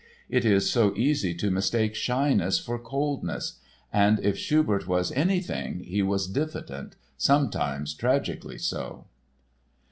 It is so easy to mistake shyness for coldness—and if Schubert was anything he was diffident, sometimes tragically so!